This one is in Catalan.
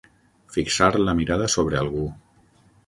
Fixar la mirada sobre algú.